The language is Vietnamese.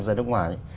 ra nước ngoài